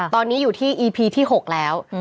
ตอนนี้อยู่ที่อีพีที่๖แล้ว